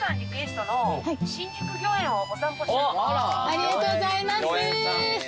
ありがとうございます。